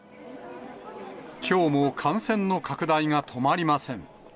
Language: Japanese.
きょうも感染の拡大が止まりません。